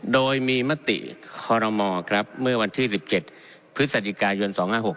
โดยมีมติคอรมอครับเมื่อวันที่๑๗พฤศจิกายน๒๕๖๖